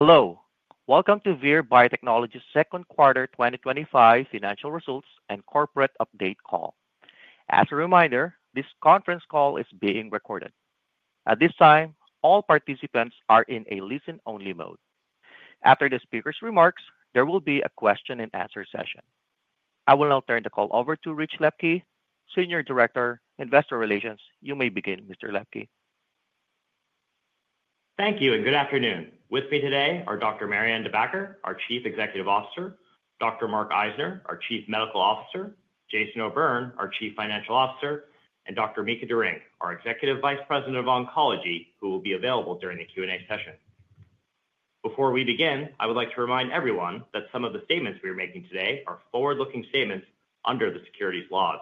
Hello. Welcome to Vir Biotechnology's second quarter 2025 financial results and corporate update call. As a reminder, this conference call is being recorded. At this time, all participants are in a listen-only mode. After the speaker's remarks, there will be a question-and-answer session. I will now turn the call over to Richard Lepke, Senior Director, Investor Relations. You may begin, Mr. Lepke. Thank you, and good afternoon. With me today are Dr. Marianne De Backer, our Chief Executive Officer, Dr. Mark Eisner, our Chief Medical Officer, Jason O'Byrne, our Chief Financial Officer, and Dr. Mika Derynck, our Executive Vice President of Oncology, who will be available during the Q&A session. Before we begin, I would like to remind everyone that some of the statements we are making today are forward-looking statements under the securities laws.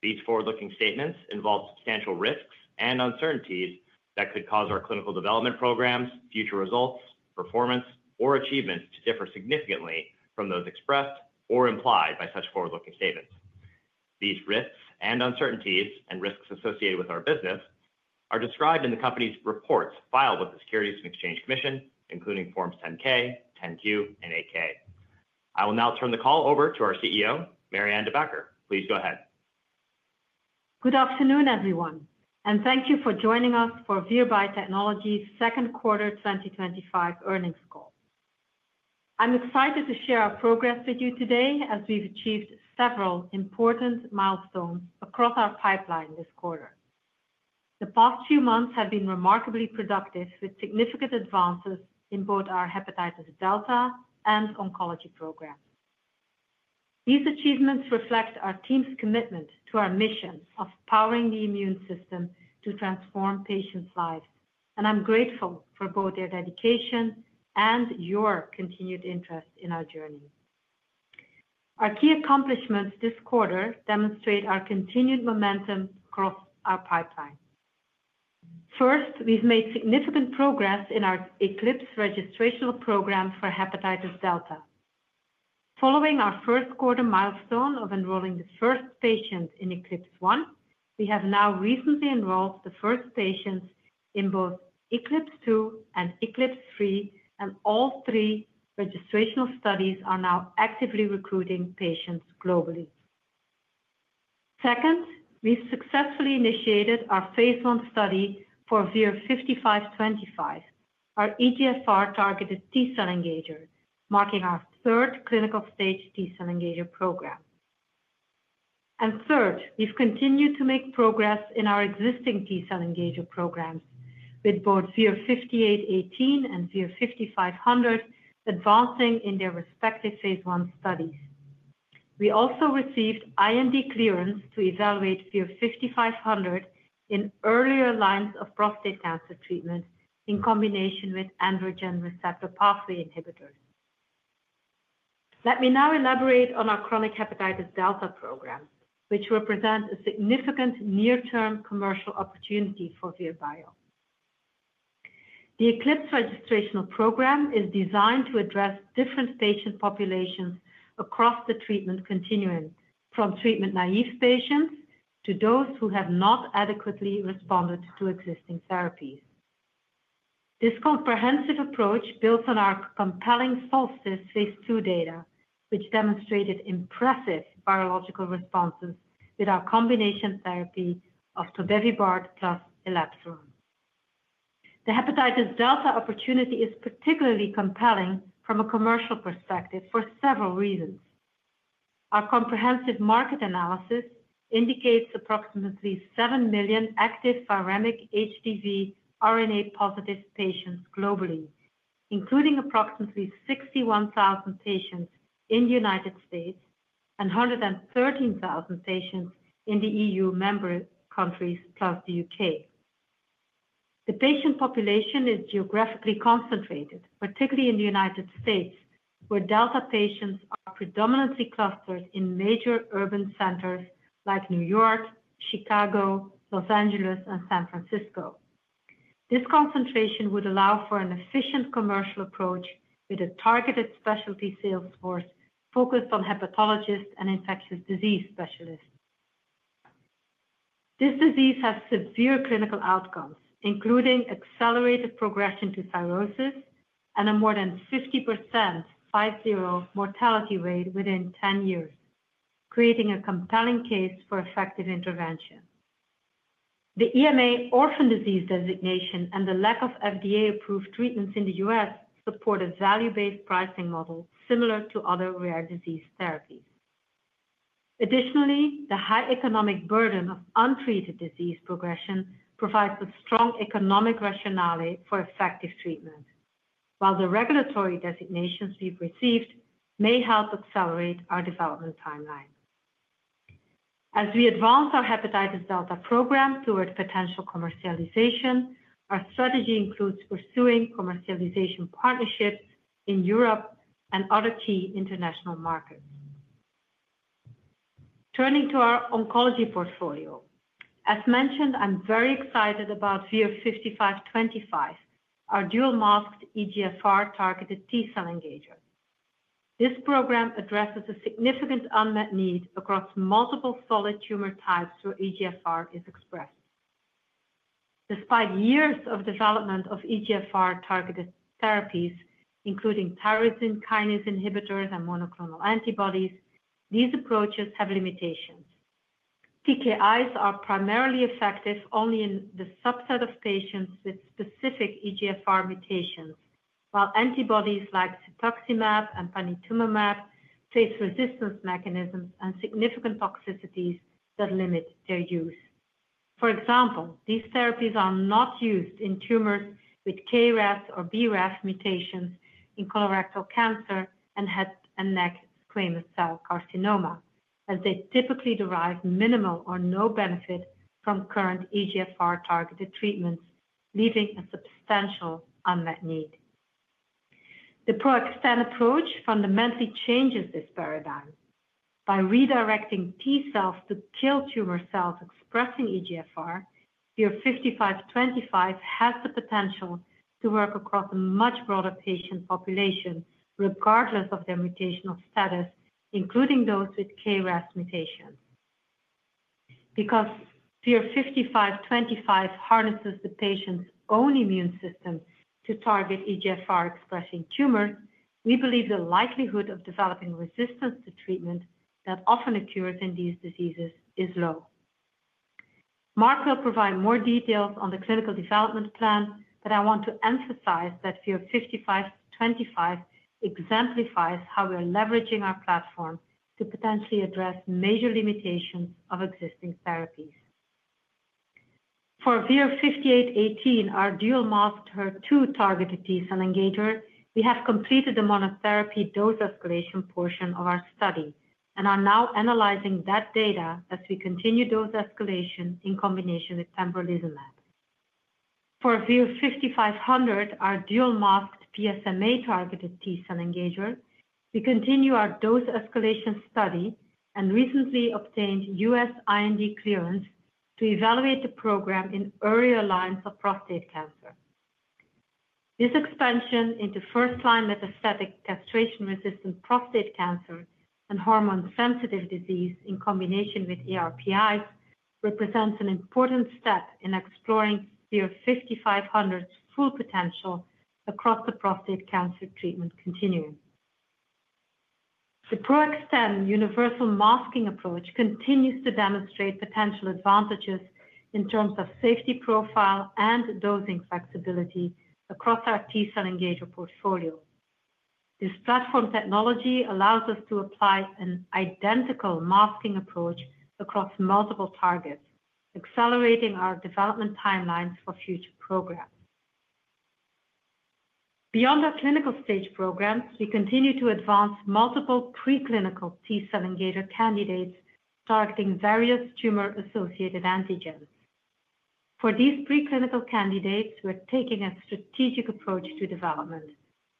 These forward-looking statements involve substantial risks and uncertainties that could cause our clinical development programs, future results, performance, or achievements to differ significantly from those expressed or implied by such forward-looking statements. These risks and uncertainties and risks associated with our business are described in the company's reports filed with the Securities and Exchange Commission, including Forms 10-K, 10-Q, and 8-K. I will now turn the call over to our CEO, Marianne De Backer. Please go ahead. Good afternoon, everyone, and thank you for joining us for Vir Biotechnology's second quarter 2025 earnings call. I'm excited to share our progress with you today as we've achieved several important milestones across our pipeline this quarter. The past few months have been remarkably productive, with significant advances in both our hepatitis delta and oncology programs. These achievements reflect our team's commitment to our mission of powering the immune system to transform patients' lives, and I'm grateful for both their dedication and your continued interest in our journey. Our key accomplishments this quarter demonstrate our continued momentum across our pipeline. First, we've made significant progress in our ECLIPSE registrational program for hepatitis delta. Following our first quarter milestone of enrolling the first patient in ECLIPSE 1, we have now recently enrolled the first patients in both ECLIPSE 2 and ECLIPSE 3, and all three registration studies are now actively recruiting patients globally. Second, we've successfully initiated our phase I study for VIR-5525, our EGFR-targeted T-cell engager, marking our third clinical stage T-cell engager program. Third, we've continued to make progress in our existing T-cell engager programs, with both VIR-5818 and VIR-5500 advancing in their respective phase I studies. We also received IND clearance to evaluate VIR-5500 in earlier lines of prostate cancer treatment in combination with androgen receptor pathway inhibitors. Let me now elaborate on our chronic hepatitis delta program, which represents a significant near-term commercial opportunity for Vir Bio. The ECLIPSE registrational program is designed to address different patient populations across the treatment continuum, from treatment-naive patients to those who have not adequately responded to existing therapies. This comprehensive approach builds on our compelling SOLSTICE phase II data, which demonstrated impressive biological responses with our combination therapy of tobevibart plus elebsiran. The hepatitis delta opportunity is particularly compelling from a commercial perspective for several reasons. Our comprehensive market analysis indicates approximately 7 million active viremic HDV RNA positive patients globally, including approximately 61,000 patients in United States. and 113,000 patients in the EU member countries plus the U.K.. The patient population is geographically concentrated, particularly in the United States, where Delta patients are predominantly clustered in major urban centers like New York, Chicago, Los Angeles, and San Francisco. This concentration would allow for an efficient commercial approach with a targeted specialty sales force focused on hepatologists and infectious disease specialists. This disease has severe clinical outcomes, including accelerated progression to cirrhosis and a more than 50%, five-zero mortality rate within 10 years, creating a compelling case for effective intervention. The EMA orphan disease designation and the lack of FDA-approved treatments in the U.S. support a value-based pricing model similar to other rare disease therapies. Additionally, the high economic burden of untreated disease progression provides a strong economic rationale for effective treatment, while the regulatory designations we've received may help accelerate our development timeline. As we advance our hepatitis delta program toward potential commercialization, our strategy includes pursuing commercialization partnerships in Europe and other key international markets. Turning to our oncology portfolio, as mentioned, I'm very excited about VIR-5525, our dual-masked EGFR-targeted T-cell engager. This program addresses a significant unmet need across multiple solid tumor types where EGFR is expressed. Despite years of development of EGFR-targeted therapies, including tyrosine kinase inhibitors and monoclonal antibodies, these approaches have limitations. TKIs are primarily effective only in the subset of patients with specific EGFR mutations, while antibodies like cetuximab and panitumumab face resistance mechanisms and significant toxicities that limit their use. For example, these therapies are not used in tumors with KRAS or BRAF mutations in colorectal cancer and head and neck squamous cell carcinoma, as they typically derive minimal or no benefit from current EGFR-targeted treatments, leaving a substantial unmet need. The PRO-XTEN approach fundamentally changes this paradigm. By redirecting T cells to kill tumor cells expressing EGFR, VIR-5525 has the potential to work across a much broader patient population, regardless of their mutational status, including those with KRAS mutations. Because VIR-5525 harnesses the patient's own immune system to target EGFR-expressing tumors, we believe the likelihood of developing resistance to treatment that often occurs in these diseases is low. Mark will provide more details on the clinical development plan, but I want to emphasize that VIR-5525 exemplifies how we are leveraging our platform to potentially address major limitations of existing therapies. For VIR-5818, our dual-masked HER2-targeted T-cell engager, we have completed the monotherapy dose escalation portion of our study and are now analyzing that data as we continue dose escalation in combination with pembrolizumab. For VIR-5500, our dual-masked PSMA-targeted T-cell engager, we continue our dose escalation study and recently obtained U.S. IND clearance to evaluate the program in earlier lines of prostate cancer. This expansion into first-line metastatic castration-resistant prostate cancer and hormone-sensitive disease in combination with ARPI represents an important step in exploring VIR-5500's full potential across the prostate cancer treatment continuum. The PRO-XTEN universal masking approach continues to demonstrate potential advantages in terms of safety profile and dosing flexibility across our T-cell engager portfolio. This platform technology allows us to apply an identical masking approach across multiple targets, accelerating our development timelines for future programs. Beyond our clinical stage programs, we continue to advance multiple preclinical T-cell engager candidates targeting various tumor-associated antigens. For these preclinical candidates, we're taking a strategic approach to development,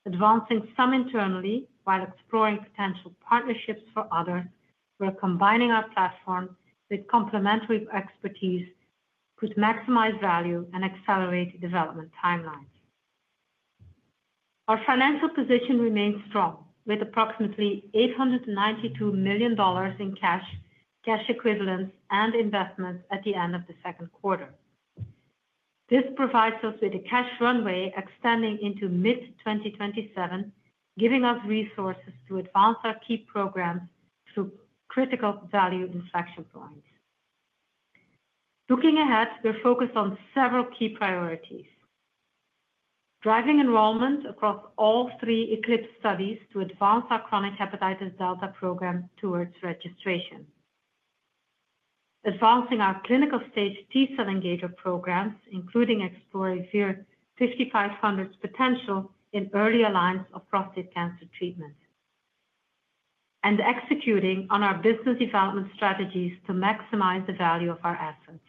advancing some internally while exploring potential partnerships for others, where combining our platform with complementary expertise could maximize value and accelerate development timelines. Our financial position remains strong, with approximately $892 million in cash, cash equivalents, and investments at the end of the second quarter. This provides us with a cash runway extending into mid-2027, giving us resources to advance our key programs through critical value inflection points. Looking ahead, we're focused on several key priorities: driving enrollment across all three ECLIPSE studies to advance our chronic hepatitis delta program towards registration, advancing our clinical stage T-cell engager programs, including exploring VIR-5500's potential in earlier lines of prostate cancer treatment, and executing on our business development strategies to maximize the value of our assets.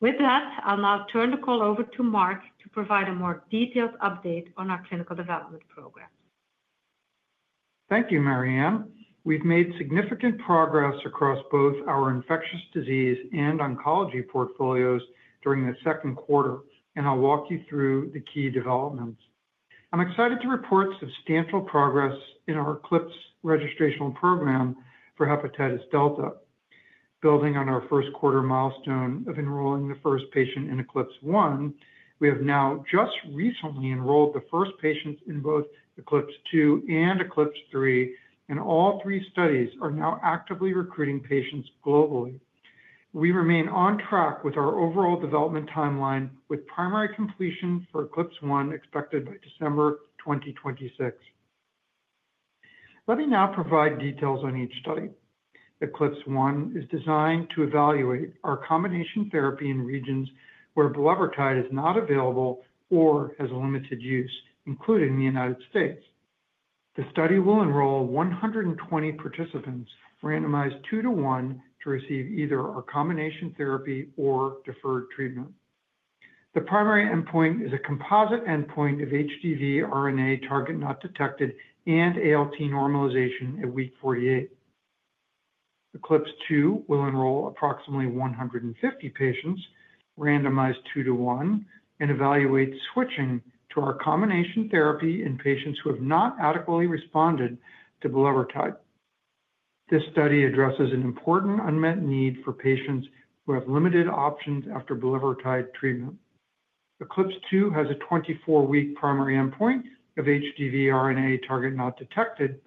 With that, I'll now turn the call over to Mark to provide a more detailed update on our clinical development program. Thank you, Marianne. We've made significant progress across both our infectious disease and oncology portfolios during the second quarter, and I'll walk you through the key developments. I'm excited to report substantial progress in our ECLIPSE registrational program for hepatitis delta. Building on our first quarter milestone of enrolling the first patient in ECLIPSE 1, we have now just recently enrolled the first patient in both ECLIPSE 2 and ECLIPSE 3, and all three studies are now actively recruiting patients globally. We remain on track with our overall development timeline, with primary completion for ECLIPSE 1 expected by December 2026. Let me now provide details on each study. ECLIPSE 1 is designed to evaluate our combination therapy in regions where bulevirtide is not available or has limited use, including the United States. The study will enroll 120 participants, randomized two to one, to receive either our combination therapy or deferred treatment. The primary endpoint is a composite endpoint of HDV RNA target not detected and ALT normalization at week 48. ECLIPSE 2 will enroll approximately 150 patients, randomized two to one, and evaluate switching to our combination therapy in patients who have not adequately responded to bulevirtide. This study addresses an important unmet need for patients who have limited options after bulevirtide treatment. ECLIPSE 2 has a 24-week primary endpoint of HDV RNA target not detected,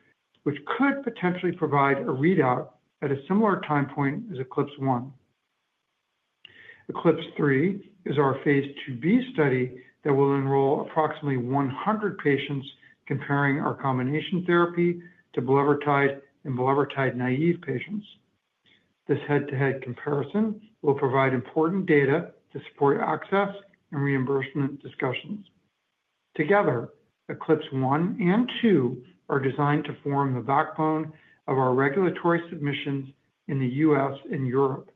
which could potentially provide a readout at a similar time point as ECLIPSE 1. ECLIPSE 3 is our Phase 2b study that will enroll approximately 100 patients, comparing our combination therapy to bulevirtide in bulevirtide-naive patients. This head-to-head comparison will provide important data to support access and reimbursement discussions. Together, ECLIPSE 1 and 2 are designed to form the backbone of our regulatory submissions in the U.S. and Europe.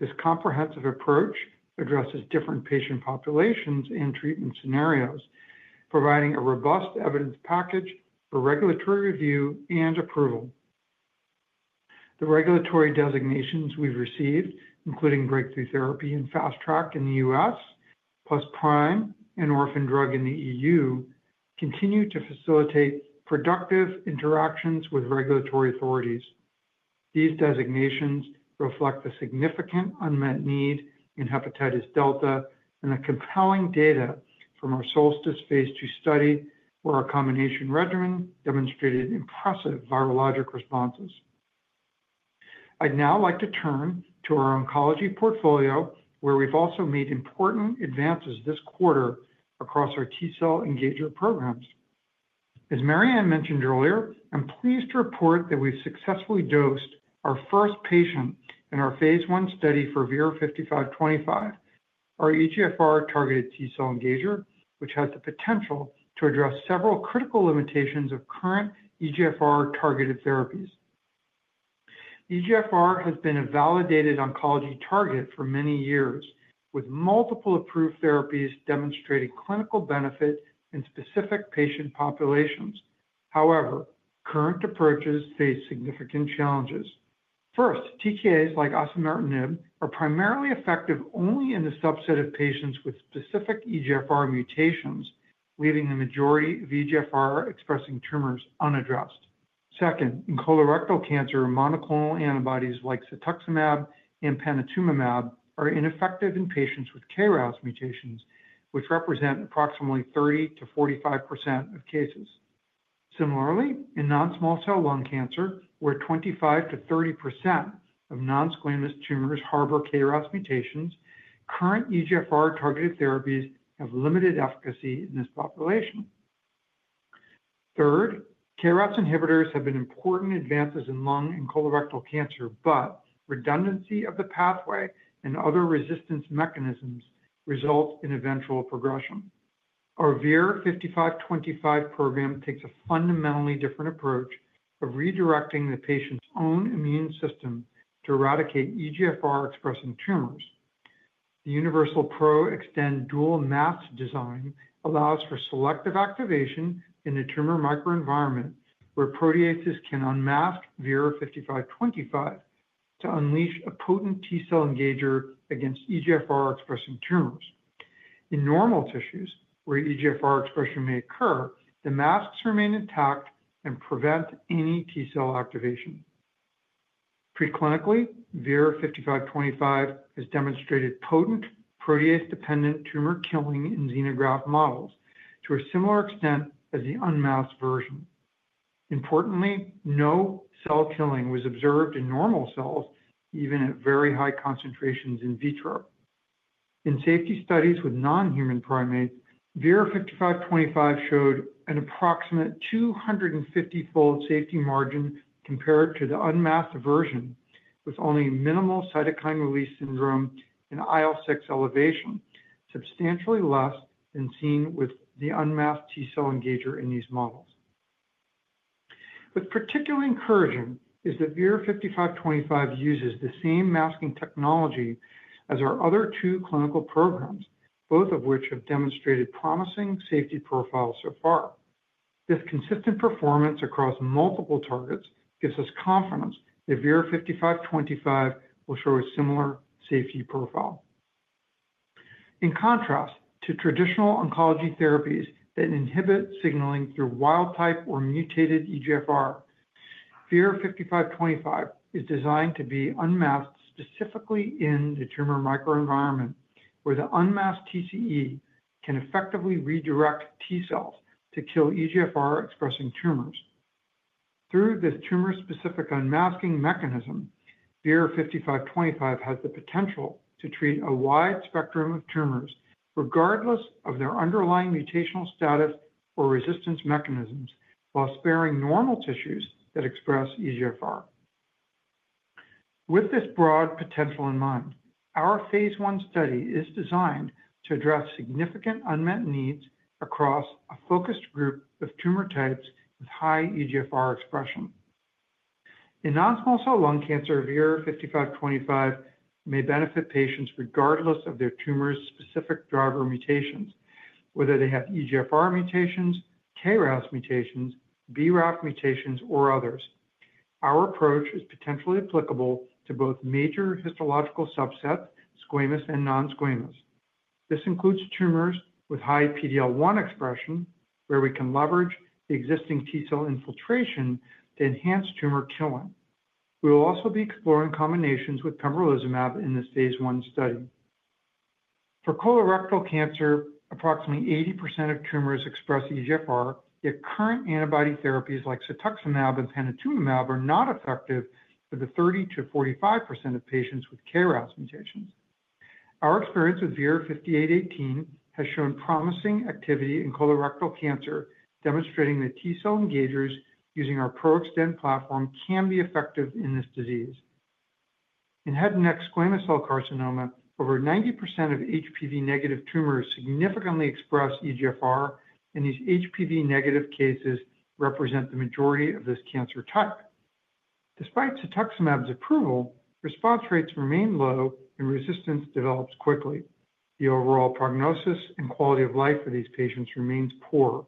This comprehensive approach addresses different patient populations and treatment scenarios, providing a robust evidence package for regulatory review and approval. The regulatory designations we've received, including Breakthrough Therapy and Fast Track in the U.S., plus PRIME and Orphan Drug in the EU, continue to facilitate productive interactions with regulatory authorities. These designations reflect a significant unmet need in hepatitis delta and the compelling data from our SOLSTICE phase 2 study, where our combination regimen demonstrated impressive virologic responses. I'd now like to turn to our oncology portfolio, where we've also made important advances this quarter across our T-cell engager programs. As Marianne mentioned earlier, I'm pleased to report that we've successfully dosed our first patient in our phase I study for VIR-5525, our EGFR-targeted T-cell engager, which has the potential to address several critical limitations of current EGFR-targeted therapies. EGFR has been a validated oncology target for many years, with multiple approved therapies demonstrating clinical benefit in specific patient populations. However, current approaches face significant challenges. First, TKIs like osimertinib are primarily effective only in the subset of patients with specific EGFR mutations, leaving the majority of EGFR-expressing tumors unaddressed. Second, in colorectal cancer, monoclonal antibodies like cetuximab and panitumumab are ineffective in patients with KRAS mutations, which represent approximately 30%-45% of cases. Similarly, in non-small cell lung cancer, where 25%-30% of non-squamous tumors harbor KRAS mutations, current EGFR-targeted therapies have limited efficacy in this population. Third, KRAS inhibitors have been important advances in lung colorectal cancer, but redundancy of the pathway and other resistance mechanisms results in eventual progression. Our VIR-5525 program takes a fundamentally different approach of redirecting the patient's own immune system to eradicate EGFR-expressing tumors. The universal PRO-XTEN dual-masking design allows for selective activation in the tumor microenvironment, where proteases can unmask VIR-5525 to unleash a potent T-cell engager against EGFR-expressing tumors. In normal tissues, where EGFR expression may occur, the masks remain intact and prevent any T-cell activation. Preclinically, VIR-5525 has demonstrated potent protease-dependent tumor killing in xenograft models to a similar extent as the unmasked version. Importantly, no cell killing was observed in normal cells, even at very high concentrations in vitro. In safety studies with non-human primates, VIR-5525 showed an approximate 250-fold safety margin compared to the unmasked version, with only minimal cytokine release syndrome and IL-6 elevation, substantially less than seen with the unmasked T-cell engager in these models. What's particularly encouraging is that VIR-5525 uses the same masking technology as our other two clinical programs, both of which have demonstrated promising safety profiles so far. This consistent performance across multiple targets gives us confidence that VIR-5525 will show a similar safety profile. In contrast to traditional oncology therapies that inhibit signaling through wild type or mutated EGFR, VIR-5525 is designed to be unmasked specifically in the tumor microenvironment, where the unmasked TCE can effectively redirect T cells to kill EGFR-expressing tumors. Through this tumor-specific unmasking mechanism, VIR-5525 has the potential to treat a wide spectrum of tumors, regardless of their underlying mutational status or resistance mechanisms, while sparing normal tissues that express EGFR. With this broad potential in mind, our phase I study is designed to address significant unmet needs across a focused group of tumor types with high EGFR expression. In non-small cell lung cancer, VIR-5525 may benefit patients regardless of their tumor-specific driver mutations, whether they have EGFR mutations, KRAS mutations, BRAF mutations, or others. Our approach is potentially applicable to both major histological subsets, squamous and non-squamous. This includes tumors with high PD-L1 expression, where we can leverage the existing T cell infiltration to enhance tumor killing. We will also be exploring combinations with pembrolizumab in this phase I study. For colorectal cancer, approximately 80% of tumors express EGFR, yet current antibody therapies like cetuximab and panitumumab are not effective for the 30%-45% of patients with KRAS mutations. Our experience with VIR-5818 has shown promising activity in colorectal cancer, demonstrating that T-cell engagers using our PRO-XTEN platform can be effective in this disease. In head and neck squamous cell carcinoma, over 90% of HPV-negative tumors significantly express EGFR, and these HPV-negative cases represent the majority of this cancer type. Despite cetuximab's approval, response rates remain low and resistance develops quickly. The overall prognosis and quality of life for these patients remain poor.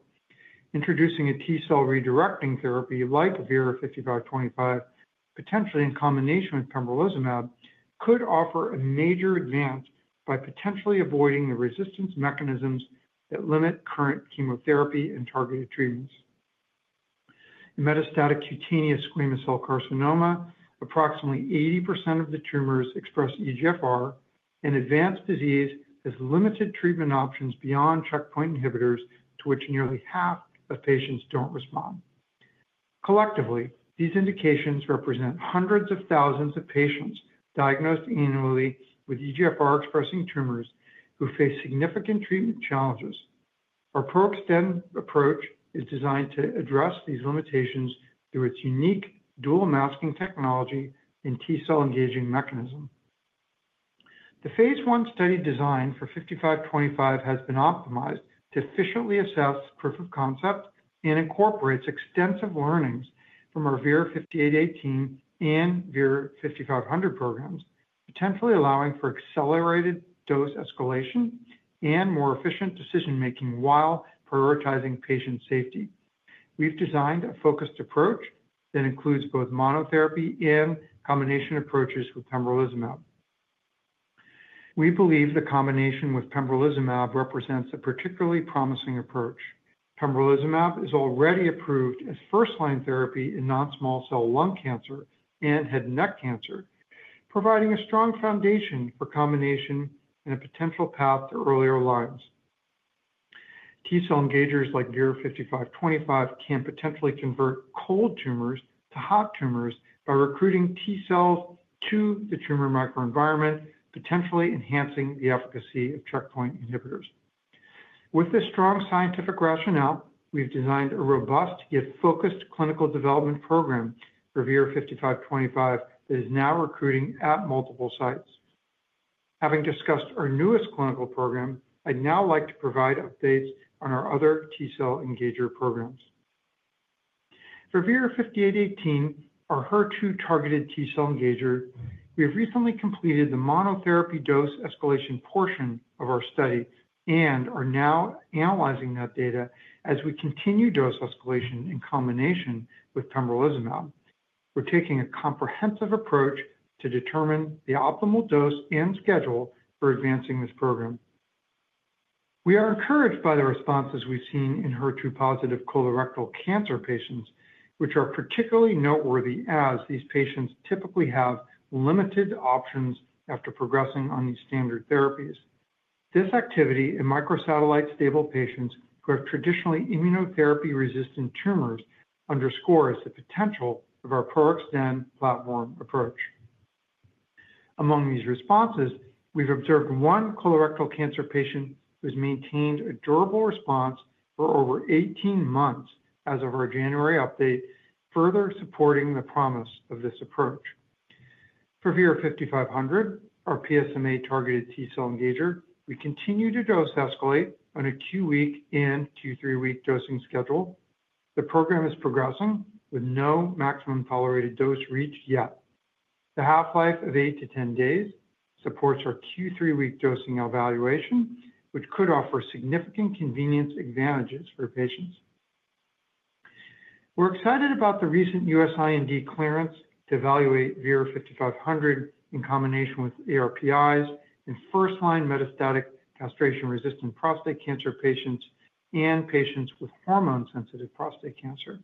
Introducing a T cell redirecting therapy like VIR-5525, potentially in combination with pembrolizumab, could offer a major advance by potentially avoiding the resistance mechanisms that limit current chemotherapy and targeted treatments. In metastatic cutaneous squamous cell carcinoma, approximately 80% of the tumors express EGFR, and advanced disease has limited treatment options beyond checkpoint inhibitors, to which nearly half of patients don't respond. Collectively, these indications represent hundreds of thousands of patients diagnosed annually with EGFR-expressing tumors who face significant treatment challenges. Our PRO-XTEN approach is designed to address these limitations through its unique dual-masking technology and T-cell engaging mechanism. The phase I study design for VIR-5525 has been optimized to efficiently assess proof of concept and incorporates extensive learnings from our VIR-5818 and VIR-5500 programs, potentially allowing for accelerated dose escalation and more efficient decision-making while prioritizing patient safety. We've designed a focused approach that includes both monotherapy and combination approaches with pembrolizumab. We believe the combination with pembrolizumab represents a particularly promising approach. Pembrolizumab is already approved as first-line therapy in non-small cell lung cancer and head and neck cancer, providing a strong foundation for combination and a potential path to earlier lines. T-cell engagers like VIR-5525 can potentially convert cold tumors to hot tumors by recruiting T cells to the tumor microenvironment, potentially enhancing the efficacy of checkpoint inhibitors. With this strong scientific rationale, we've designed a robust yet focused clinical development program for VIR-5525 that is now recruiting at multiple sites. Having discussed our newest clinical program, I'd now like to provide updates on our other T-cell engager programs. For VIR-5818, our HER2-targeted T-cell engager, we've recently completed the monotherapy dose escalation portion of our study and are now analyzing that data as we continue dose escalation in combination with pembrolizumab. We're taking a comprehensive approach to determine the optimal dose and schedule for advancing this program. We are encouraged by the responses we've seen in HER2-positive colorectal cancer patients, which are particularly noteworthy as these patients typically have limited options after progressing on these standard therapies. This activity in microsatellite stable patients who have traditionally immunotherapy-resistant tumors underscores the potential of our PRO-XTEN platform approach. Among these responses, we've observed one colorectal cancer patient who's maintained a durable response for over 18 months as of our January update, further supporting the promise of this approach. For VIR-5500, our PSMA-targeted T-cell engager, we continue to dose escalate on a Q-week and Q-3-week dosing schedule. The program is progressing with no maximum tolerated dose reached yet. The half-life of 8 to 10 days supports our Q-3-week dosing evaluation, which could offer significant convenience advantages for patients. We're excited about the recent U.S. IND clearance to evaluate VIR-5500 in combination with ARPIs in first-line metastatic castration-resistant prostate cancer patients and patients with hormone-sensitive prostate cancer.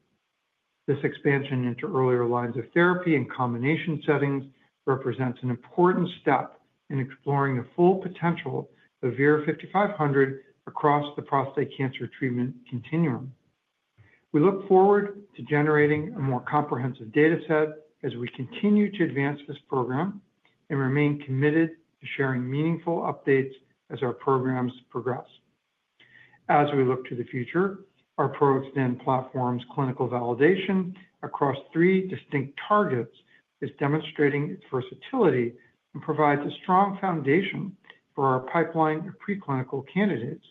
This expansion into earlier lines of therapy and combination settings represents an important step in exploring the full potential of VIR-5500 across the prostate cancer treatment continuum. We look forward to generating a more comprehensive dataset as we continue to advance this program and remain committed to sharing meaningful updates as our programs progress. As we look to the future, our PRO-XTEN platform's clinical validation across three distinct targets is demonstrating its versatility and provides a strong foundation for our pipeline of preclinical candidates.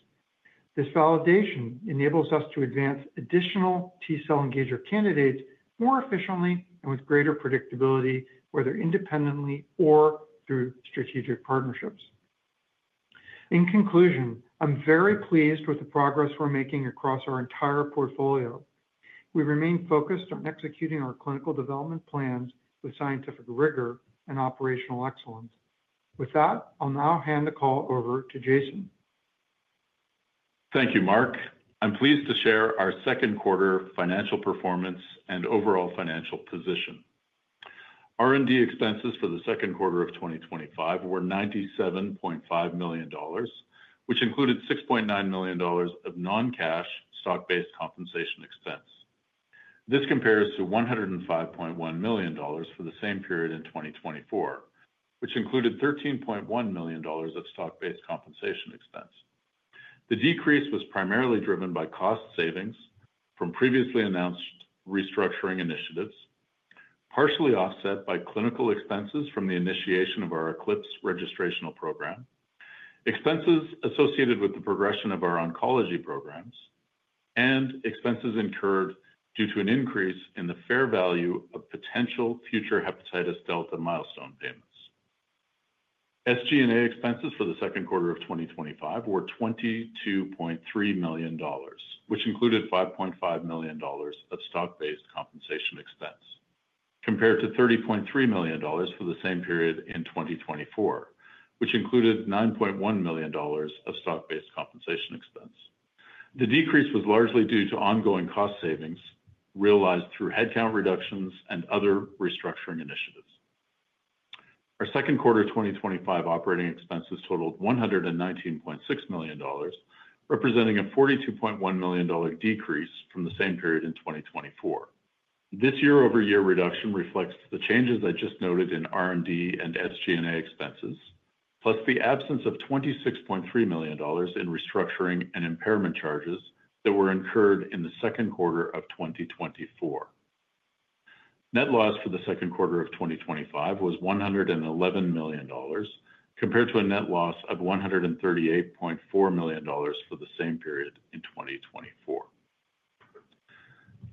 This validation enables us to advance additional T-cell engager candidates more efficiently and with greater predictability, whether independently or through strategic partnerships. In conclusion, I'm very pleased with the progress we're making across our entire portfolio. We remain focused on executing our clinical development plans with scientific rigor and operational excellence. With that, I'll now hand the call over to Jason. Thank you, Mark. I'm pleased to share our second quarter financial performance and overall financial position. R&D expenses for the second quarter of 2025 were $97.5 million, which included $6.9 million of non-cash stock-based compensation expense. This compares to $105.1 million for the same period in 2024, which included $13.1 million of stock-based compensation expense. The decrease was primarily driven by cost savings from previously announced restructuring initiatives, partially offset by clinical expenses from the initiation of our ECLIPSE registrational program, expenses associated with the progression of our oncology programs, and expenses incurred due to an increase in the fair value of potential future hepatitis delta milestone payments. SG&A expenses for the second quarter of 2025 were $22.3 million, which included $5.5 million of stock-based compensation expense, compared to $30.3 million for the same period in 2024, which included $9.1 million of stock-based compensation expense. The decrease was largely due to ongoing cost savings realized through headcount reductions and other restructuring initiatives. Our second quarter 2025 operating expenses totaled $119.6 million, representing a $42.1 million decrease from the same period in 2024. This year-over-year reduction reflects the changes I just noted in R&D and SG&A expenses, plus the absence of $26.3 million in restructuring and impairment charges that were incurred in the second quarter of 2024. Net loss for the second quarter of 2025 was $111 million, compared to a net loss of $138.4 million for the same period in 2024.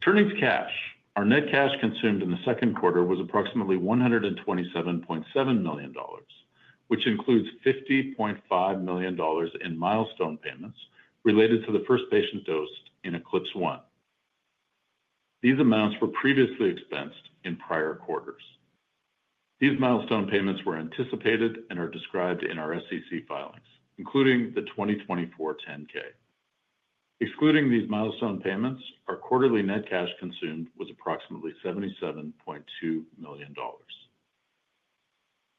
Turning to cash, our net cash consumed in the second quarter was approximately $127.7 million, which includes $50.5 million in milestone payments related to the first patient dosed in ECLIPSE 1. These amounts were previously expensed in prior quarters. These milestone payments were anticipated and are described in our SEC filings, including the 2024 10-K. Excluding these milestone payments, our quarterly net cash consumed was approximately $77.2 million.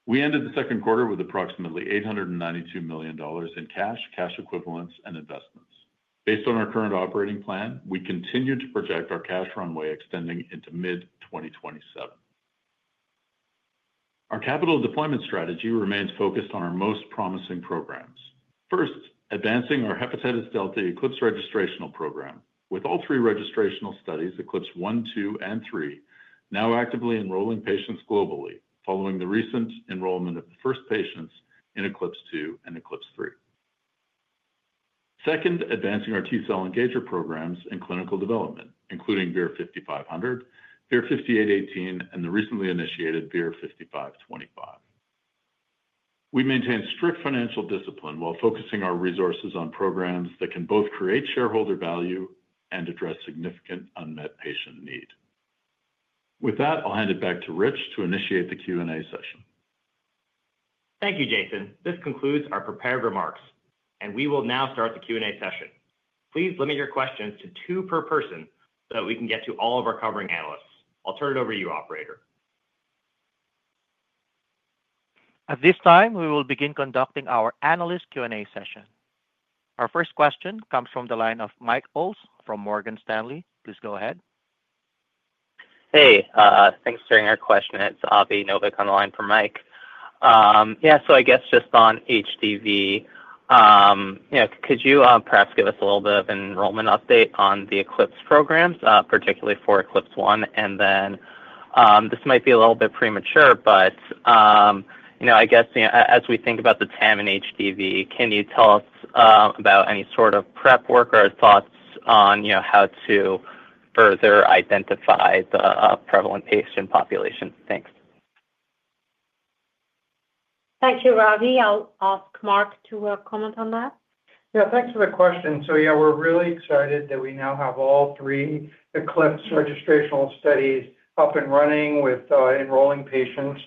We ended the second quarter with approximately $892 million in cash, cash equivalents, and investments. Based on our current operating plan, we continue to project our cash runway extending into mid-2027. Our capital deployment strategy remains focused on our most promising programs. First, advancing our hepatitis delta ECLIPSE registrational program, with all three registrational studies, ECLIPSE 1, 2, and 3, now actively enrolling patients globally following the recent enrollment of the first patients in ECLIPSE 2 and ECLIPSE 3. Second, advancing our T-cell engager programs in clinical development, including VIR-5500, VIR-5818, and the recently initiated VIR-5525. We maintain strict financial discipline while focusing our resources on programs that can both create shareholder value and address significant unmet patient need. With that, I'll hand it back to Rich to initiate the Q&A session. Thank you, Jason. This concludes our prepared remarks, and we will now start the Q&A session. Please limit your questions to two per person so that we can get to all of our covering analysts. I'll turn it over to you, operator. At this time, we will begin conducting our analyst Q&A session. Our first question comes from the line of Mike Ulz from Morgan Stanley. Please go ahead. Hey, thanks for hearing our question. It's Avi Novik on the line for Mike. Yeah, just on HDV, could you perhaps give us a little bit of an enrollment update on the ECLIPSE program, particularly for ECLIPSE 1? This might be a little bit premature, but as we think about the TAM and HDV, can you tell us about any sort of prep work or thoughts on how to further identify the prevalent patient population? Thanks. Thank you, Avi. I'll ask Mark to comment on that. Yeah, thanks for the question. We're really excited that we now have all three ECLIPSE registrational studies up and running with enrolling patients.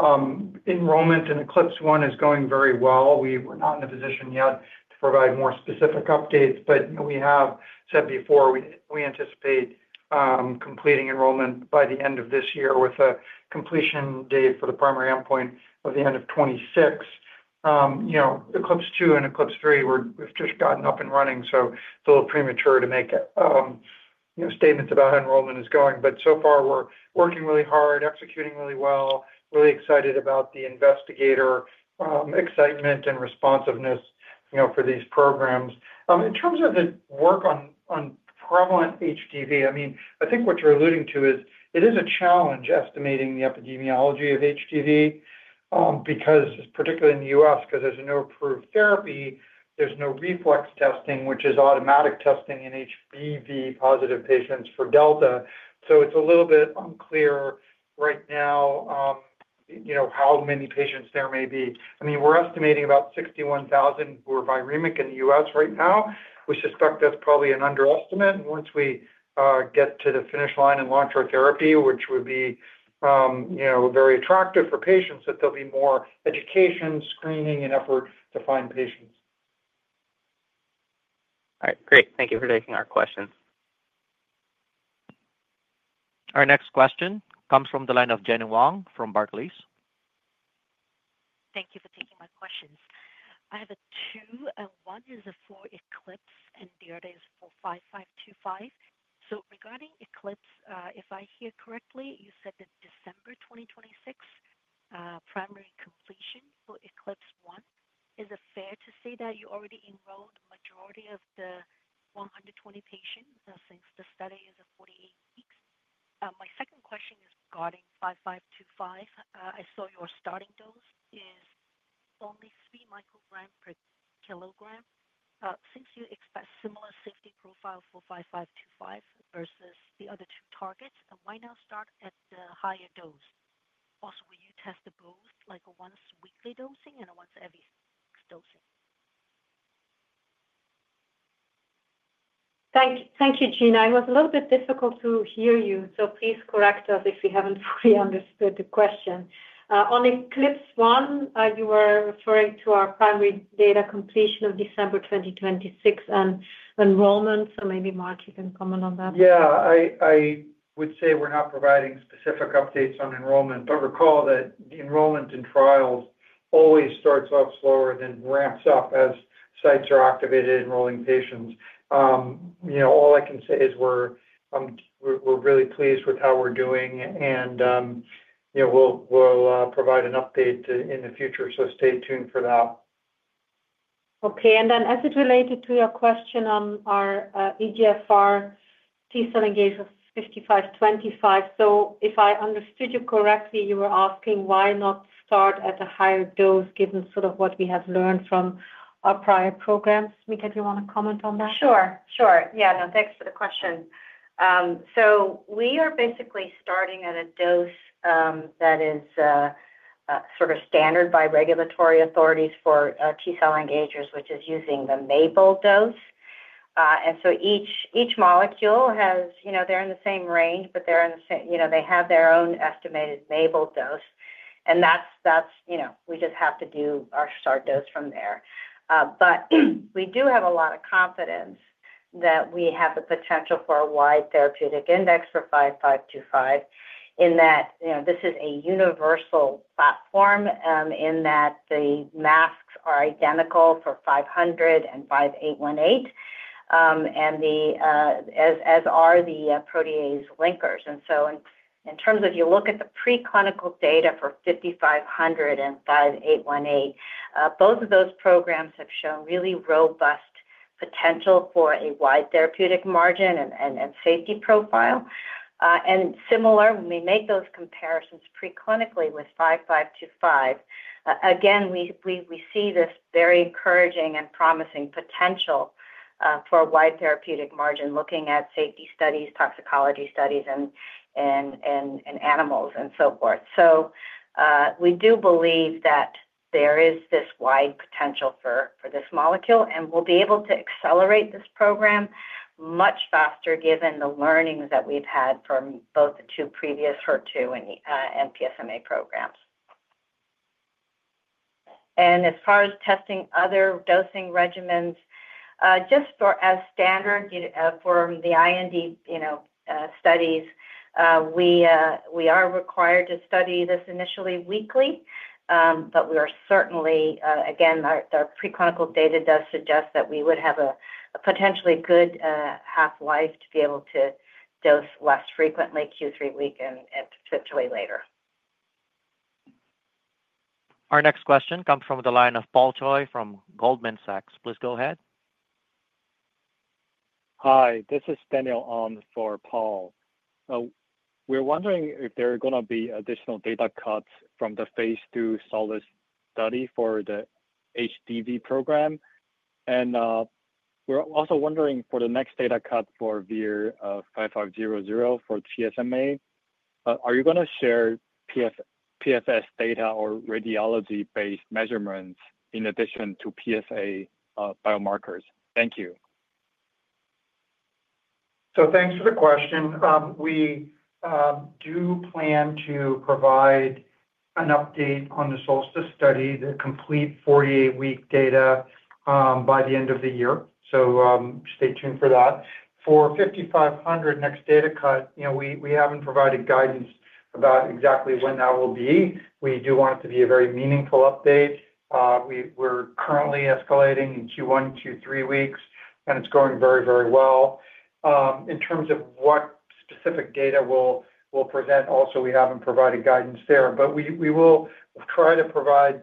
Enrollment in ECLIPSE 1 is going very well. We're not in a position yet to provide more specific updates, but we have said before we anticipate completing enrollment by the end of this year with a completion date for the primary endpoint at the end of 2026. ECLIPSE 2 and ECLIPSE 3 have just gotten up and running, so it's a little premature to make statements about how enrollment is going. So far, we're working really hard, executing really well, and really excited about the investigator excitement and responsiveness for these programs. In terms of the work on prevalent HDV, I think what you're alluding to is it is a challenge estimating the epidemiology of HDV, particularly in the U.S., because there's no approved therapy and there's no reflex testing, which is automatic testing in HDV-positive patients for Delta. It's a little bit unclear right now how many patients there may be. We're estimating about 61,000 who are viremic in the U.S. right now. We suspect that's probably an underestimate. Once we get to the finish line and launch our therapy, which would be very attractive for patients, there will be more education, screening, and effort to find patients. All right, great. Thank you for taking our questions. Our next question comes from the line of Gena Wang from Barclays. Thank you for taking my questions. I have two, and one is for ECLIPSE and the other is for 5525. Regarding ECLIPSE, All I can say is we're really pleased with how we're doing, and you know we'll provide an update in the future, so stay tuned for that. Okay, and then as it related to your question on our EGFR T-cell engager 5525, if I understood you correctly, you were asking why not start at a higher dose given sort of what we have learned from our prior programs. Mika, do you want to comment on that? Sure, sure. Yeah, no, thanks for the question. We are basically starting at a dose that is sort of standard by regulatory authorities for T-cell engagers, which is using the MABEL dose. Each molecule has, you know, they're in the same range, but they're in the same, you know, they have their own estimated MABEL dose. That's, you know, we just have to do our start dose from there. We do have a lot of confidence that we have the potential for a wide therapeutic index for 5525 in that, you know, this is a universal platform in that the masks are identical for 5500 and 5818, as are the protease linkers. In terms of, if you look at the preclinical data for 5500 and 5818, both of those programs have shown really robust potential for a wide therapeutic margin and safety profile. Similarly, when we make those comparisons preclinically with VIR-5525, again, we see this very encouraging and promising potential for a wide therapeutic margin looking at safety studies, toxicology studies, and animals, and so forth. We do believe that there is this wide potential for this molecule, and we'll be able to accelerate this program much faster given the learnings that we've had from both the two previous HER2 and PSMA programs. As far as testing other dosing regimens, just as standard for the IND studies, we are required to study this initially weekly, but we are certainly, again, our preclinical data does suggest that we would have a potentially good half-life to be able to dose less frequently Q3 week and potentially later. Our next question comes from the line of Paul Choi from Goldman Sachs. Please go ahead. Hi, this is Daniel on for Paul. We're wondering if there are going to be additional data cuts from the phase II SOLSTICE study for the HDV program. We're also wondering for the next data cut for VIR-5500 for PSMA, are you going to share PFS data or radiology-based measurements in addition to PSA biomarkers? Thank you. Thank you for the question. We do plan to provide an update on the SOLSTICE study, the complete 48-week data by the end of the year. Stay tuned for that. For 5500 next data cut, we haven't provided guidance about exactly when that will be. We want it to be a very meaningful update. We're currently escalating Q1, Q3 weeks, and it's going very, very well. In terms of what specific data we'll present, we haven't provided guidance there, but we will try to provide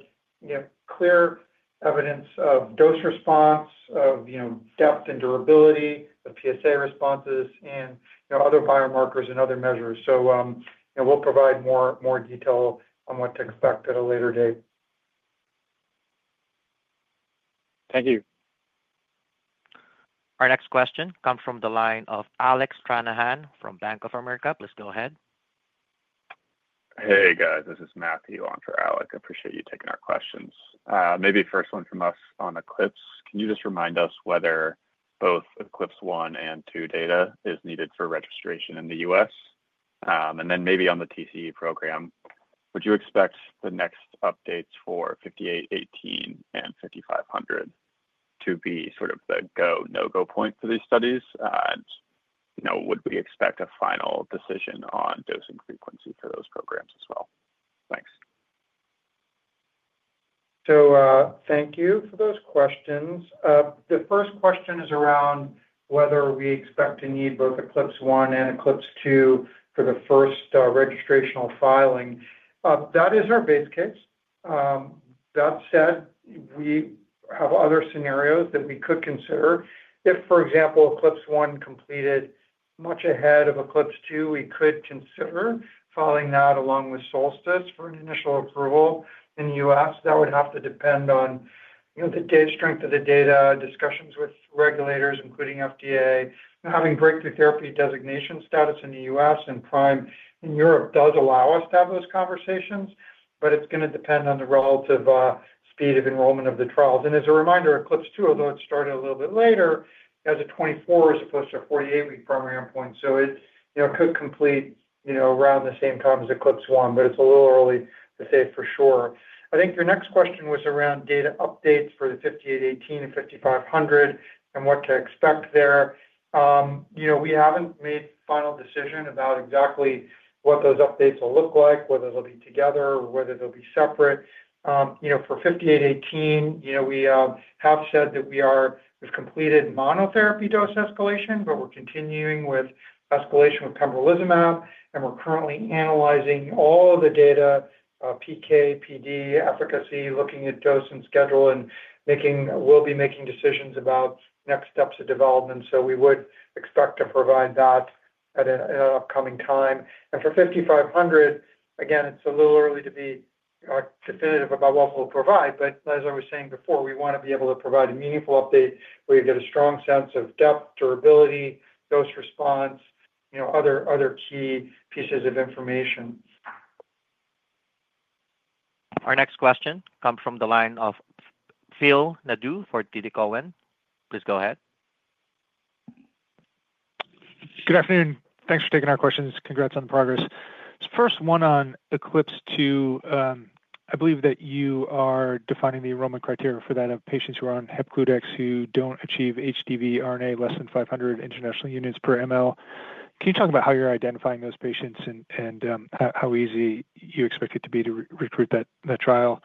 clear evidence of dose response, depth and durability, the PSA responses, and other biomarkers and other measures. We'll provide more detail on what to expect at a later date. Thank you. Our next question comes from the line of Alec Tranahan from Bank of America. Please go ahead. Hey, guys. This is Matthew on for Alec. I appreciate you taking our questions. Maybe first one from us on ECLIPSE. Can you just remind us whether both ECLIPSE 1 and 2 data is needed for registration in the U.S.? On the TCE program, would you expect the next updates for 5818 and 5500 to be sort of the go/no-go point for these studies? Would we expect a final decision on dosing frequency for those programs as well? Thanks. Thank you for those questions. The first question is around whether we expect to need both ECLIPSE 1 and ECLIPSE 2 for the first registrational filing. That is our base case. That said, we have other scenarios that we could consider. If, for example, ECLIPSE 1 completed much ahead of ECLIPSE 2, we could consider filing that along with SOLSTICE for an initial approval in the U.S. That would have to depend on the strength of the data, discussions with regulators, including the FDA. Having Breakthrough Therapy Designation status in the U.S. and PRIME in the EU does allow us to have those conversations, but it is going to depend on the relative speed of enrollment of the trials. As a reminder, ECLIPSE 2, although it started a little bit later, has a 24- as opposed to a 48-week primary endpoint. It could complete around the same time as ECLIPSE 1, but it is a little early to say for sure. I think your next question was around data updates for the 5818 and 5500 and what to expect there. We have not made a final decision about exactly what those updates will look like, whether they will be together or whether they will be separate. For 5818, we have said that we have completed monotherapy dose escalation, but we are continuing with escalation with pembrolizumab, and we are currently analyzing all of the data, PK, PD, efficacy, looking at dose and schedule, and we will be making decisions about next steps of development. We would expect to provide that at an upcoming time. For 5500, again, it is a little early to be definitive about what we will provide. As I was saying before, we want to be able to provide a meaningful update where you get a strong sense of depth, durability, dose response, and other key pieces of information. Our next question comes from the line of Phil Nadeau for TD Cowen. Please go ahead. Good afternoon. Thanks for taking our questions. Congrats on the progress. First one on ECLIPSE 2. I believe that you are defining the enrollment criteria for that of patients who are on Hepcludex who don't achieve HDV RNA less than 500 international units per ml. Can you talk about how you're identifying those patients and how easy you expect it to be to recruit that trial?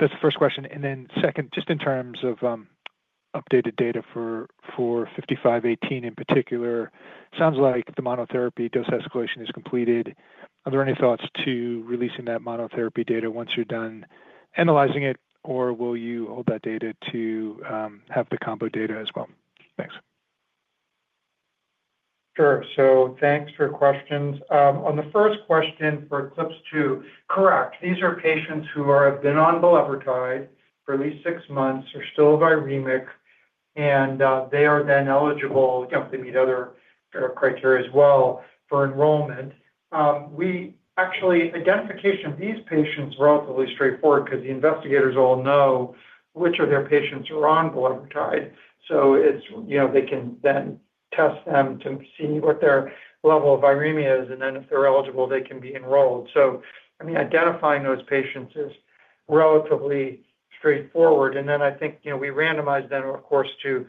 That's the first question. Second, just in terms of updated data for 5818 in particular, it sounds like the monotherapy dose escalation is completed. Are there any thoughts to releasing that monotherapy data once you're done analyzing it, or will you hold that data to have the combo data as well? Thanks. Sure. Thanks for your questions. On the first question for ECLIPSE 2, correct, these are patients who have been on bulevirtide for at least six months, are still viremic, and they are then eligible, if they meet other criteria as well, for enrollment. Identification of these patients is relatively straightforward because the investigators all know which of their patients are on bulevirtide. They can then test them to see what their level of viremia is, and if they're eligible, they can be enrolled. Identifying those patients is relatively straightforward. I think we randomize them, of course, to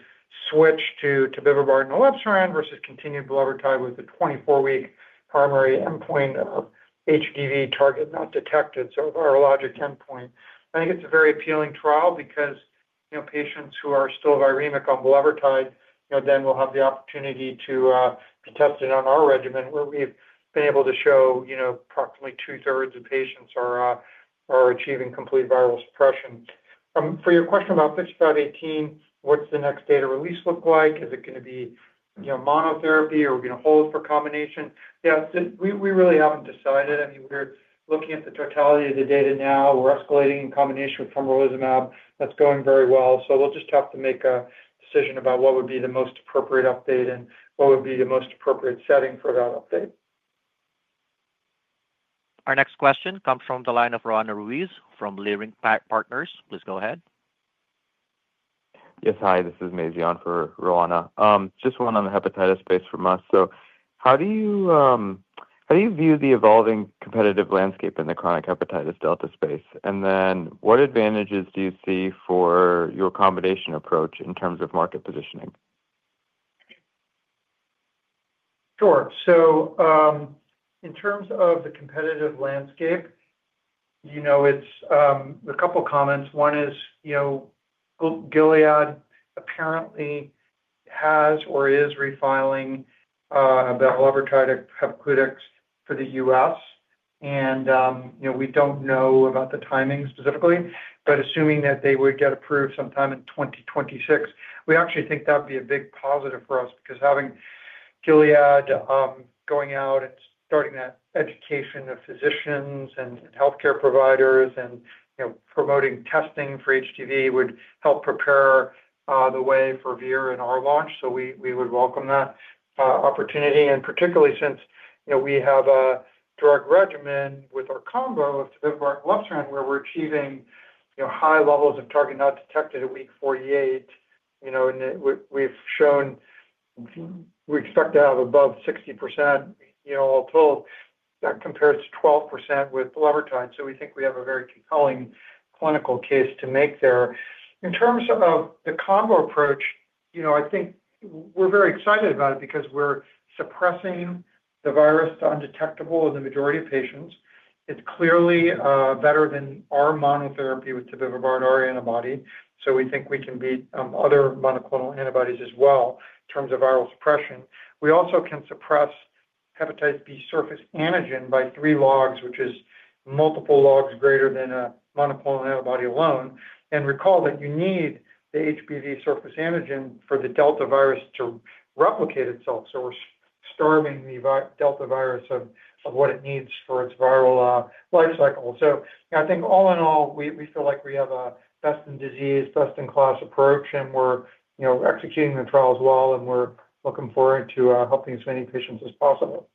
switch to tobevibart and elebsiran versus continued bulevirtide with the 24-week primary endpoint of HDV target not detected, so virologic endpoint. I think it's a very appealing trial because patients who are still viremic on bulevirtide will have the opportunity to be tested on our regimen, where we've been able to show approximately two-thirds of patients are achieving complete viral suppression. For your question about 5818, what's the next data release look like? Is it going to be monotherapy or hold for combination? We really haven't decided. We're looking at the totality of the data now. We're escalating in combination with pembrolizumab. That's going very well. We'll just have to make a decision about what would be the most appropriate update and what would be the most appropriate setting for that update. Our next question comes from the line of Roanna Ruiz from Leerink Partners. Please go ahead. Yes, hi. This is Mazi on for Roanna. Just one on the hepatitis space from us. How do you view the evolving competitive landscape in the chronic hepatitis delta space? What advantages do you see for your combination approach in terms of market positioning? Sure. In terms of the competitive landscape, it's a couple of comments. One is, Gilead apparently has or is refiling bulevirtide (Hepcludex) for the U.S. We don't know about the timing specifically, but assuming that they would get approved sometime in 2026, we actually think that would be a big positive for us because having Gilead going out and starting that education of physicians and healthcare providers and promoting testing for HDV would help prepare the way for Vir and our launch. We would welcome that opportunity, particularly since we have a drug regimen with our combo of tobevibart and elebsiran, where we're achieving high levels of target not detected at week 48. We've shown we expect to have above 60%, although that compares to 12% with bulevirtide. We think we have a very compelling clinical case to make there. In terms of the combo approach, I think we're very excited about it because we're suppressing the virus to undetectable in the majority of patients. It's clearly better than our monotherapy with tobevibart antibody. We think we can beat other monoclonal antibodies as well in terms of viral suppression. We also can suppress hepatitis B surface antigen by three logs, which is multiple logs greater than a monoclonal antibody alone. Recall that you need the HBV surface antigen for the delta virus to replicate itself. We're starving the delta virus of what it needs for its viral life cycle. All in all, we feel like we have a best-in-disease, best-in-class approach, and we're executing the trials well, and we're looking forward to helping as many patients as possible.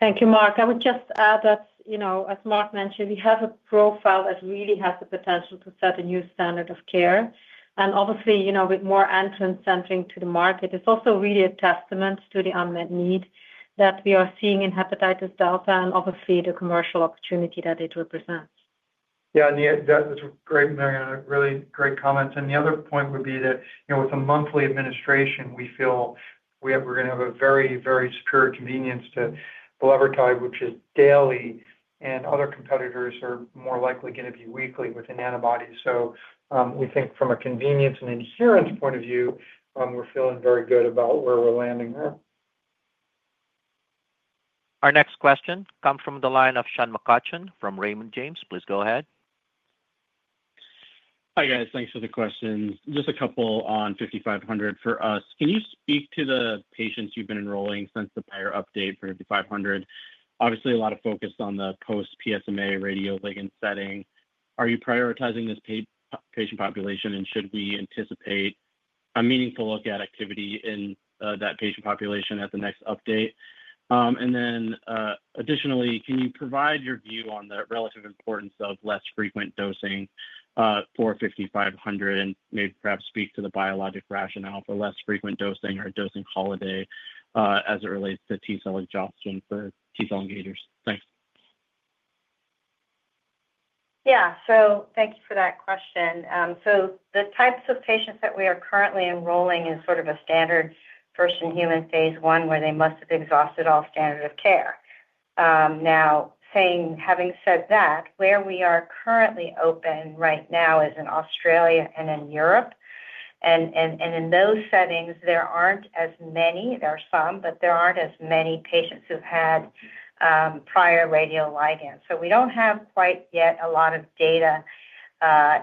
Thank you, Mark. I would just add that, as Mark mentioned, we have a profile that really has the potential to set a new standard of care. Obviously, with more attention centering to the market, it's also really a testament to the unmet need that we are seeing in hepatitis delta and the commercial opportunity that it represents. Yeah, that was great, Marianne. Really great comments. The other point would be that, you know, with a monthly administration, we feel we're going to have a very, very superior convenience to bulevirtide, which is daily, and other competitors are more likely going to be weekly with an antibody. We think from a convenience and adherence point of view, we're feeling very good about where we're landing there. Our next question comes from the line of Sean McCutcheon from Raymond James. Please go ahead. Hi guys, thanks for the question. Just a couple on 5500 for us. Can you speak to the patients you've been enrolling since the prior update for 5500? Obviously, a lot of focus on the post-PSMA radioligand setting. Are you prioritizing this patient population, and should we anticipate a meaningful look at activity in that patient population at the next update? Additionally, can you provide your view on the relative importance of less frequent dosing for 5500 and maybe perhaps speak to the biologic rationale for less frequent dosing or a dosing holiday as it relates to T-cell exhaustion for T-cell engagers? Thanks. Yeah, thank you for that question. The types of patients that we are currently enrolling are in sort of a standard first-in-human phase I where they must have exhausted all standard of care. Having said that, where we are currently open right now is in Australia and in the Europe. In those settings, there aren't as many, there are some, but there aren't as many patients who've had prior radioligands. We don't have quite yet a lot of data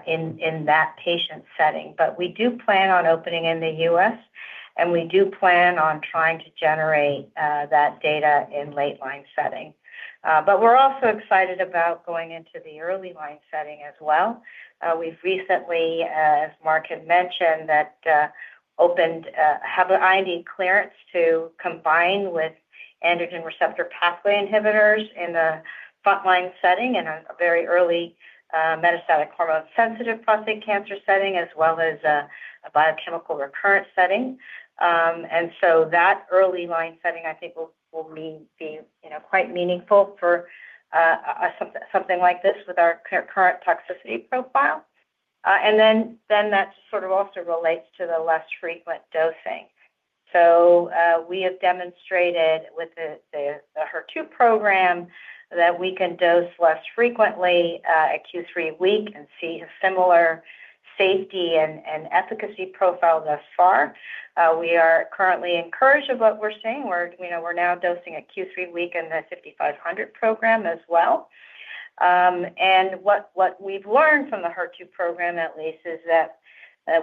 in that patient setting. We do plan on opening in the U.S., and we do plan on trying to generate that data in late-line setting. We're also excited about going into the early-line setting as well. We've recently, as Mark had mentioned, opened IND clearance to combine with androgen receptor pathway inhibitors in the frontline setting in a very early metastatic hormone-sensitive prostate cancer setting, as well as a biochemical recurrent setting. That early-line setting, I think, will be quite meaningful for something like this with our current toxicity profile. That also relates to the less frequent dosing. We have demonstrated with the HER2 program that we can dose less frequently at Q3 week and see a similar safety and efficacy profile thus far. We are currently encouraged by what we're seeing. We're now dosing at Q3 week in the 5500 program as well. What we've learned from the HER2 program, at least, is that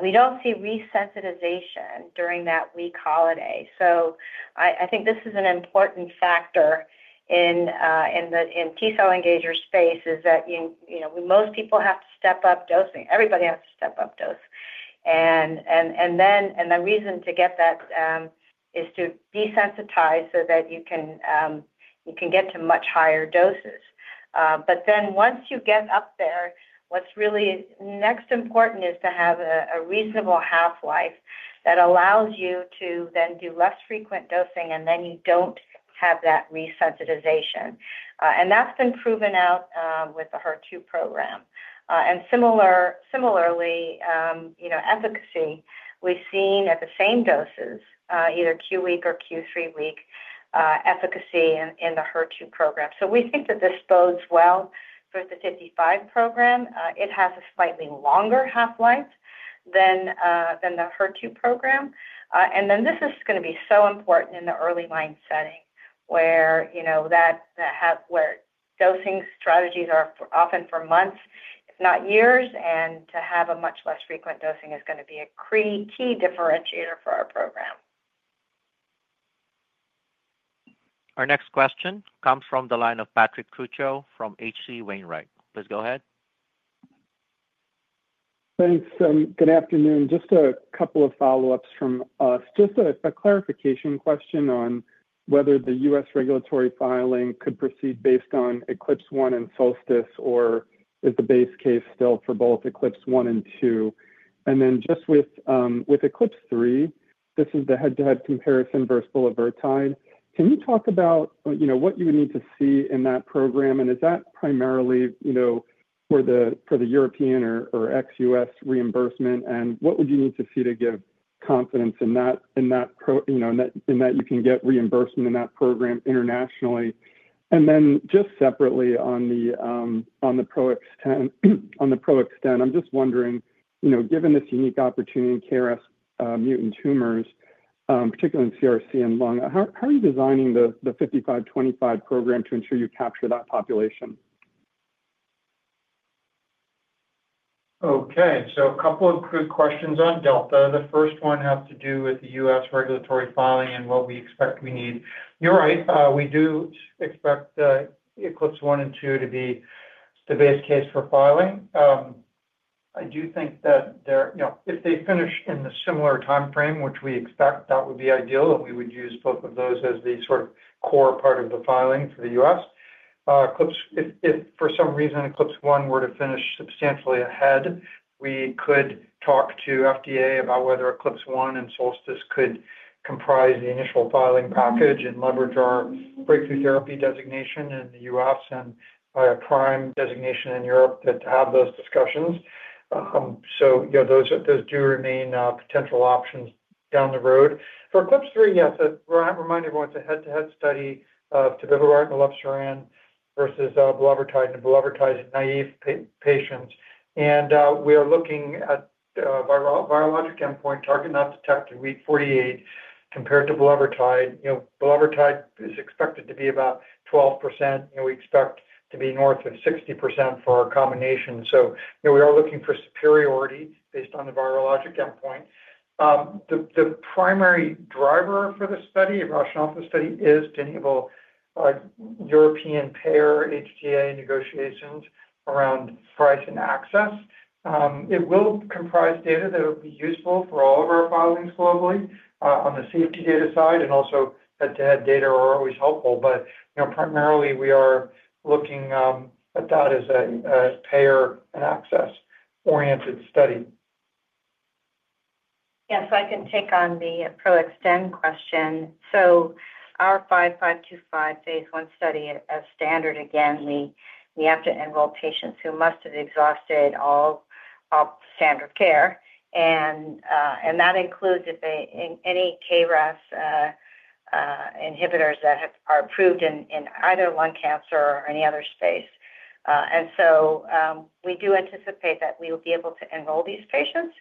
we don't see resensitization during that week holiday. I think this is an important factor in the T-cell engager space, most people have to step up dosing. Everybody has to step up dose. The reason to get that is to desensitize so that you can get to much higher doses. Once you get up there, what's really next important is to have a reasonable half-life that allows you to then do less frequent dosing, and then you don't have that resensitization. That's been proven out with the HER2 program. Similarly, efficacy, we've seen at the same doses, either Q week or Q3 week, efficacy in the HER2 program. We think that this bodes well for the 55 program. It has a slightly longer half-life than the HER2 program. This is going to be so important in the early line setting where dosing strategies are often for months, not years, and to have a much less frequent dosing is going to be a key differentiator for our program. Our next question comes from the line of Patrick Trucchio from H.C. Wainwright. Please go ahead. Thanks. Good afternoon. Just a couple of follow-ups from us. Just a clarification question on whether the U.S. regulatory filing could proceed based on ECLIPSE 1 and SOLSTICE, or is the base case still for both ECLIPSE 1 and 2? With ECLIPSE 3, this is the head-to-head comparison versus bulevirtide. Can you talk about what you would need to see in that program? Is that primarily for the European or ex-U.S. reimbursement? What would you need to see to give confidence that you can get reimbursement in that program internationally? Separately, on the PRO-XTEN, I'm just wondering, given this unique opportunity, KRAS mutant tumors, particularly in CRC and lung, how are you designing the 5525 program to ensure you capture that population? Okay, so a couple of quick questions on delta. The first one has to do with the U.S. regulatory filing and what we expect we need. You're right. We do expect ECLIPSE 1 and 2 to be the base case for filing. I do think that if they finish in a similar timeframe, which we expect, that would be ideal, and we would use both of those as the core part of the filing for the U.S. If for some reason ECLIPSE 1 were to finish substantially ahead, we could talk to FDA about whether ECLIPSE 1 and SOLSTICE could comprise the initial filing package and leverage our Breakthrough Therapy Designation in the U.S. and PRIME Designation in Europe to have those discussions. Those do remain potential options down the road. For ECLIPSE 3, yes, remind everyone it's a head-to-head study of tobevibart and elebsiran versus bulevirtide, and bulevirtide is in a naive patient. We are looking at a virologic endpoint, target not detected at week 48 compared to bulevirtide. Bulevirtide is expected to be about 12%. We expect to be north of 60% for our combination. We are looking for superiority based on the virologic endpoint. The primary driver for the study, the rationale for the study, is to enable our European payer HTA negotiations around price and access. It will comprise data that will be useful for all of our filings globally on the safety data side, and also head-to-head data are always helpful. Primarily, we are looking at that as a payer and access-oriented study. Yeah, I can take on the PRO-XTEN question. Our 5525 phase I study, as standard, again, we have to enroll patients who must have exhausted all standard of care. That includes if they are on any KRAS inhibitors that are approved in either lung cancer or any other space. We do anticipate that we will be able to enroll these patients.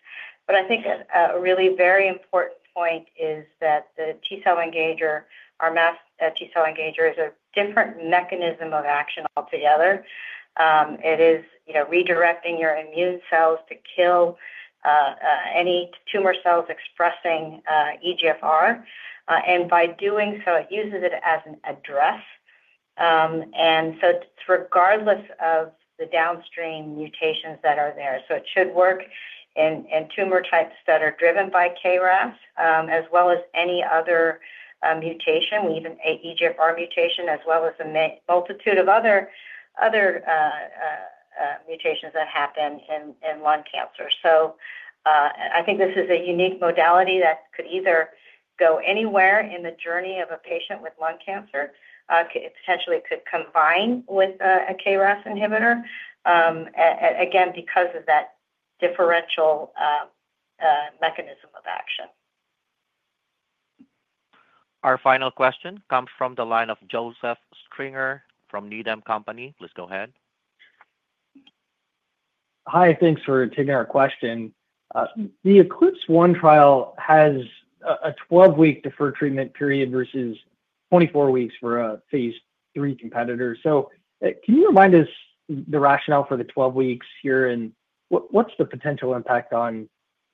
I think a really very important point is that the T-cell engager, our masked T-cell engager, is a different mechanism of action altogether. It is redirecting your immune cells to kill any tumor cells expressing EGFR. By doing so, it uses it as an address, so it's regardless of the downstream mutations that are there. It should work in tumor types that are driven by KRAS, as well as any other mutation, even EGFR mutation, as well as a multitude of other mutations that happen in lung cancer. I think this is a unique modality that could either go anywhere in the journey of a patient with lung cancer. It potentially could combine with a KRAS inhibitor, again, because of that differential mechanism of action. Our final question comes from the line of Joseph Stringer from Needham & Company. Please go ahead. Hi, thanks for taking our question. The ECLIPSE 1 trial has a 12-week deferred treatment period versus 24 weeks for a phase III competitor. Can you remind us the rationale for the 12 weeks here and what's the potential impact on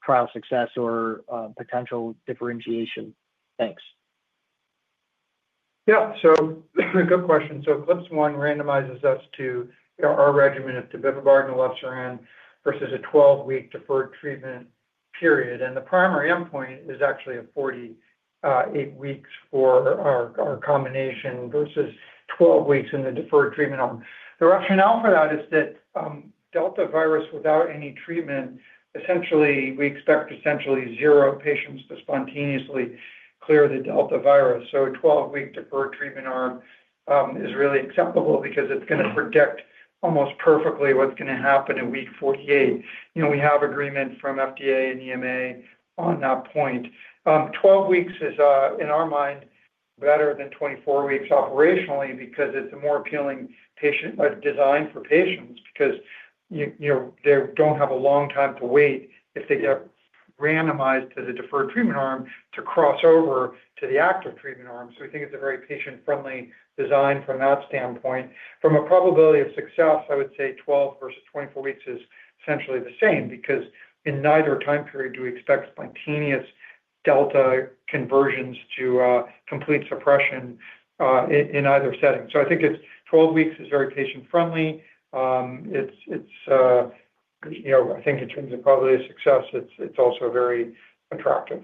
trial success or potential differentiation? Thanks. Yeah, this is a good question. ECLIPSE 1 randomizes us to our regimen of tobevibart and elebsiran versus a 12-week deferred treatment period. The primary endpoint is actually at 48 weeks for our combination versus 12 weeks in the deferred treatment arm. The rationale for that is that delta virus without any treatment, essentially, we expect essentially zero patients to spontaneously clear the delta virus. A 12-week deferred treatment arm is really acceptable because it's going to predict almost perfectly what's going to happen in week 48. We have agreement from FDA and EMA on that point. Twelve weeks is, in our mind, better than 24 weeks operationally because it's a more appealing patient design for patients since they don't have a long time to wait if they get randomized to the deferred treatment arm to cross over to the active treatment arm. We think it's a very patient-friendly design from that standpoint. From a probability of success, I would say 12 versus 24 weeks is essentially the same because in neither time period do we expect spontaneous delta conversions to complete suppression in either setting. I think 12 weeks is very patient-friendly. I think in terms of probability of success, it's also very attractive.